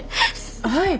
はい！